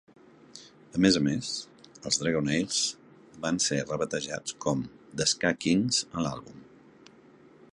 A més a més, els Dragonaires van ser rebatejats com a "The Ska Kings" a l'àlbum.